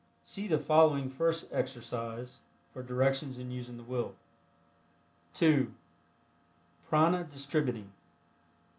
(See the following first exercise for directions in using the Will.) (2) PRANA DISTRIBUTING.